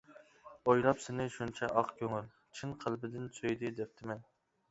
ئويلاپ سىنى شۇنچە ئاق كۆڭۈل، چىن قەلبىدىن سۆيدى دەپتىمەن.